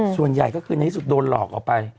ส่วนใหญ่ก็คือในที่สุดโดนหลอกออกไป